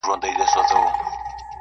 د پریان لوري، د هرات او ګندارا لوري,